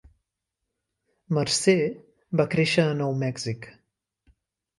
Mercer va créixer a Nou Mèxic.